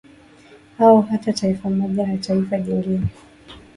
Au hata Taifa moja na Taifa jingine